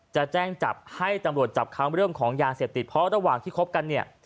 จะแจ้งจับให้ตำรวจจับค้างเรื่องของยาเสพติดเพราะระหว่างที่คบกันเนี่ย